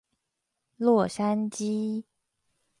洛杉磯